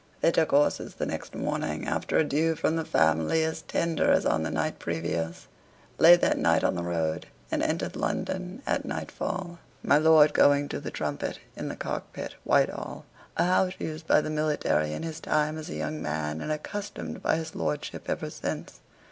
They took horse the next morning (after adieux from the family as tender as on the night previous), lay that night on the road, and entered London at nightfall; my lord going to the "Trumpet," in the Cockpit, Whitehall, a house used by the military in his time as a young man, and accustomed by his lordship ever since.